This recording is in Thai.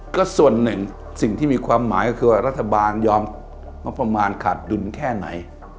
ก็ส่วนหนึ่งสิ่งที่มีความหมายก็คือว่ารัฐบาลยอมงบประมาณขาดดุลแค่ไหน